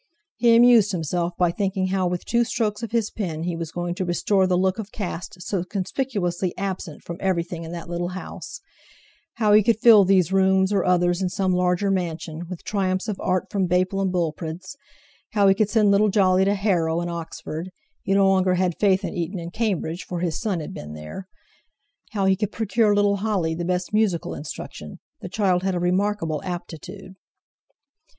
He amused himself by thinking how with two strokes of his pen he was going to restore the look of caste so conspicuously absent from everything in that little house; how he could fill these rooms, or others in some larger mansion, with triumphs of art from Baple and Pullbred's; how he could send little Jolly to Harrow and Oxford (he no longer had faith in Eton and Cambridge, for his son had been there); how he could procure little Holly the best musical instruction, the child had a remarkable aptitude.